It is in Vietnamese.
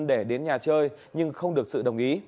để đến nhà chơi nhưng không được sự đồng ý